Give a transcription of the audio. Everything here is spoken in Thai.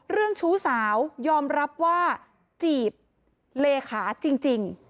ชู้สาวยอมรับว่าจีบเลขาจริง